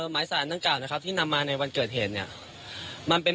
หมายสารดังกล่าวนะครับที่นำมาในวันเกิดเหตุเนี่ยมันเป็น